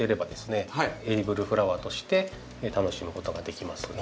エディブルフラワーとして楽しむことができます。